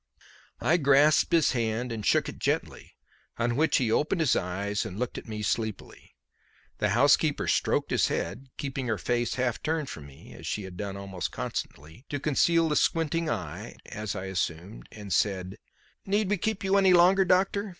I grasped his hand and shook it gently, on which he opened his eyes and looked at me sleepily. The housekeeper stroked his head, keeping her face half turned from me as she had done almost constantly, to conceal the squinting eye, as I assumed and said: "Need we keep you any longer, doctor?